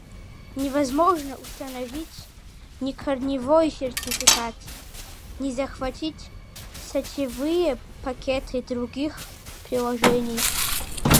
Невозможно установить ни корневой сертификат, ни захватить сетевые пакеты других приложений